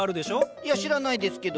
いや知らないですけど。